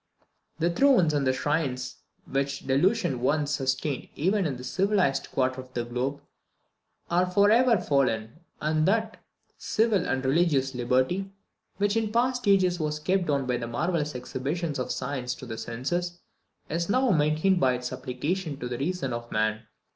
The thrones and shrines, which delusion once sustained even in the civilized quarter of the globe, are for ever fallen, and that civil and religious liberty, which in past ages was kept down by the marvellous exhibitions of science to the senses, is now maintained by its application to the reason of man.